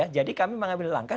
jadi kami mengambil langkah